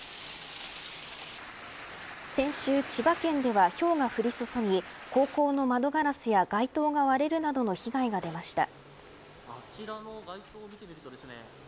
先週、千葉県ではひょうが降り注ぎ高校の窓ガラスや街灯が割れるなどの被害が出ました。